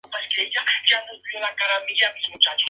El deporte más practicado es el fútbol.